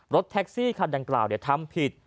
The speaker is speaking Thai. รถแท็กซี่คันดังกล่าวทำผิด